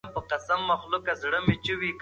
مسواک وهل د انسانیت او پاکوالي نښه ده.